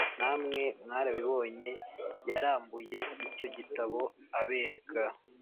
namwe mwarabibonye yarambuye icyo gitabo abereka